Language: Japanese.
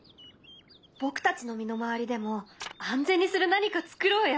僕たちの身の回りでも安全にする何か作ろうよ！